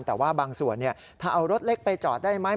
แต่บางส่วนเนี่ยถ้าเอารถเล็กไปจอดได้ไหม